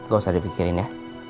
gak usah dipikirin ya